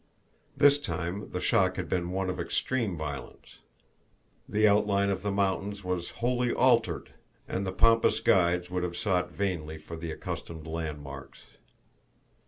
This time the shock had been one of extreme violence. The outline of the mountains was wholly altered, and the Pampas guides would have sought vainly for the accustomed landmarks.